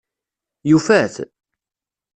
Yufa-t?